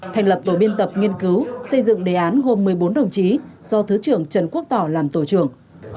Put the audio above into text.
thành lập tổ biên tập nghiên cứu xây dựng đề án gồm một mươi bốn đồng chí do thứ trưởng trần quốc tỏ làm tổ trưởng